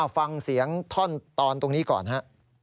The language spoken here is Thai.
ฟังเสียงท่อนตอนตรงนี้ก่อนฮะ